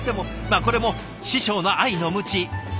まあこれも師匠の愛のムチ。